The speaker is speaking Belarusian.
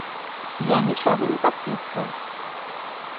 Я нічога не падпісваў.